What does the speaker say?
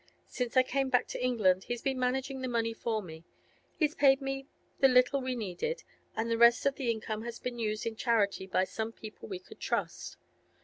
Since I came back to England he's been managing the money for me; he's paid me the little we needed, and the rest of the income has been used in charity by some people we could trust.